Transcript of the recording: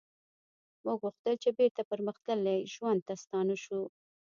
موږ غوښتل چې بیرته پرمختللي ژوند ته ستانه شو